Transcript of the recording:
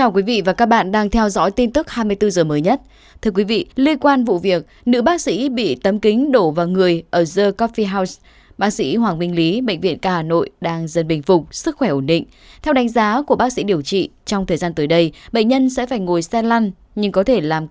các bạn hãy đăng ký kênh để ủng hộ kênh của chúng mình nhé